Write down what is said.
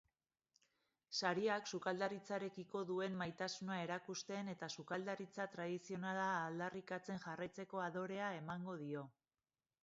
Sariak sukaldaritzarekiko duen maitasuna erakusten eta sukaldaritza tradizionala aldarrikatzen jarraitzeko adorea emango dio.